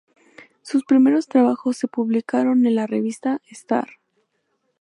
Sus primeros trabajos se publicaron en la revista "Star".